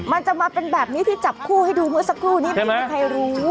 มันจะมาเป็นแบบนี้ที่จับคู่ให้ดูเมื่อสักครู่นี้ไม่มีใครรู้